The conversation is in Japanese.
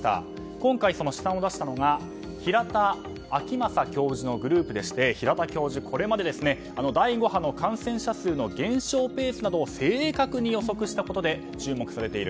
今回、試算を出したのが平田晃正教授のグループでして平田教授、これまで第５波の感染者数の減少ペースなどを正確に予測したことで注目されている。